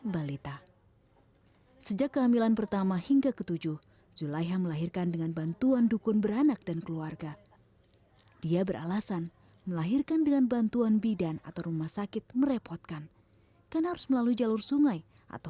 bagaimana kita menjelaskan karena disini ada banyak anak banyak rezeki terus istilahnya ya